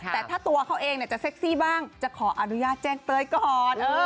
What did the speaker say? แต่ถ้าตัวเขาเองจะเซ็กซี่บ้างจะขออนุญาตแจ้งเตยก่อน